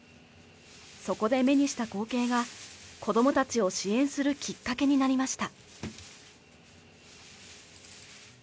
そこで目にした光景が子どもたちを支援するきっかけになりました。